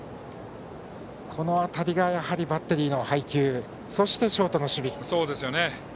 この辺りがバッテリーの配球そしてショートの守備。